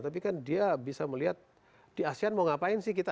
tapi kan dia bisa melihat di asean mau ngapain sih kita